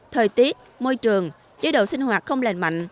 thời tiết môi trường chế độ sinh hoạt không lành mạnh